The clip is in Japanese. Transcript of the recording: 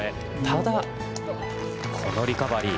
ただ、このリカバリー。